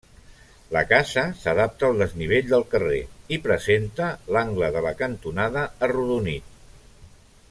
La casa s'adapta al desnivell del carrer, i presenta l'angle de la cantonada arrodonit.